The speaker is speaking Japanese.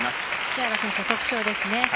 木原選手の特徴ですね。